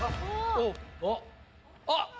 あっ！